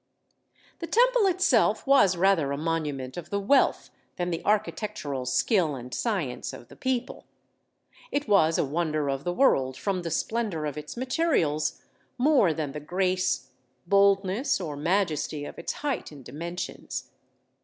The Temple itself was rather a monument of the wealth than the architectural skill and science of the people. It was a wonder of the world from the splendor of its materials, more than the grace, boldness, or majesty of its height and dimensions.